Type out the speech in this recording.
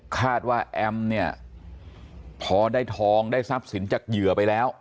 คาดว่าแอมเนี่ยพอได้ทองได้ทรัพย์สินจากเหยื่อไปแล้ว